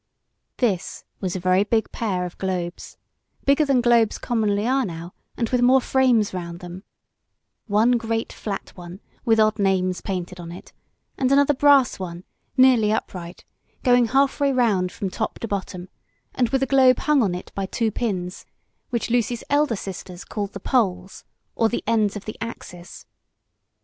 This was a very big pair of globes bigger than globes commonly are now, and with more frames round them one great flat one, with odd names painted on it, and another brass one, nearly upright, going half way round from top to bottom, and with the globe hung upon it by two pins, which Lucy's elder sisters called the poles, or the ends of the axis.